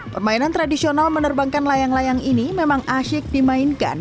permainan tradisional menerbangkan layang layang ini memang asyik dimainkan